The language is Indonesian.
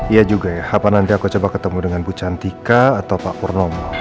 iya juga ya apa nanti aku coba ketemu dengan bu cantika atau pak purnomo